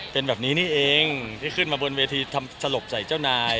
เป็นแบบนี้นี่เองที่ขึ้นมาบนเวทีทำสลบใส่เจ้านาย